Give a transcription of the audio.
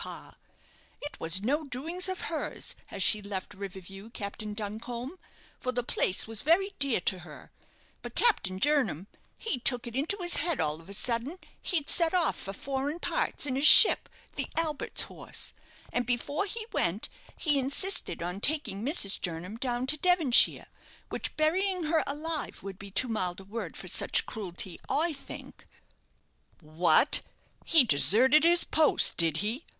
It was no doings of hers as she left River View, Captain Buncombe, for the place was very dear to her; but Captain Jernam, he took it into his head all of a sudden he'd set off for foreign parts in his ship the 'Albert's horse'; and before he went, he insisted on taking Mrs. Jernam down to Devonshire, which burying her alive would be too mild a word for such cruelty, I think." "What! he deserted his post, did he?"